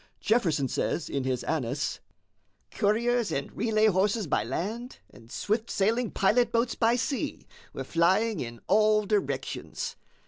Jefferson says in his Anas: "Couriers and relay horses by land, and swift sailing pilot boats by sea, were flying in all directions.